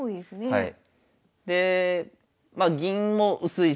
はい。